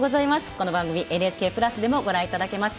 この番組ＮＨＫプラスでもご覧いただけます。